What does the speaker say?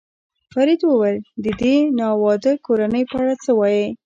فرید وویل: د دې ناواده کورنۍ په اړه څه وایې؟